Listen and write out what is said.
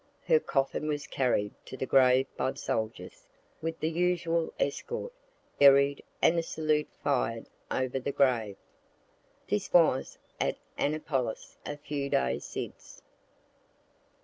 Her coffin was carried to the grave by soldiers, with the usual escort, buried, and a salute fired over the grave. This was at Annapolis a few days since.